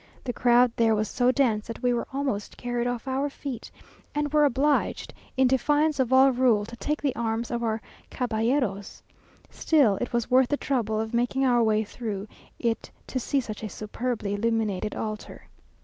The crowd there was so dense, that we were almost carried off our feet, and were obliged, in defiance of all rule, to take the arms of our caballeros. Still it was worth the trouble of making our way through it to see such a superbly illuminated altar.